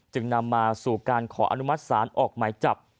จึงนำมาสู่การขออนุมัติศาลออกหมายจับ